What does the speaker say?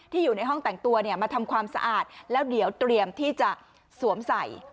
อยู่ในห้องแต่งตัวเนี่ยมาทำความสะอาดแล้วเดี๋ยวเตรียมที่จะสวมใส่